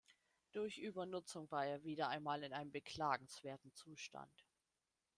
Durch Übernutzung war er wieder einmal in einem beklagenswerten Zustand.